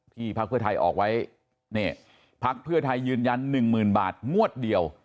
พักเพื่อไทยออกไว้พักเพื่อไทยยืนยัน๑๐๐๐บาทงวดเดียว